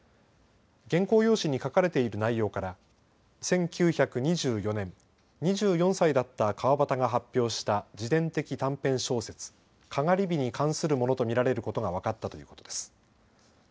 原稿用紙に書かれている内容から１９２４年、２４歳だった川端が発表した自伝的短編小説、篝火に関するものと見られることが分かったということです。